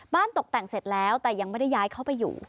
ตกแต่งเสร็จแล้วแต่ยังไม่ได้ย้ายเข้าไปอยู่